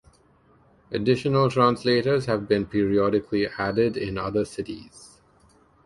Additional translators have been periodically added in other cities.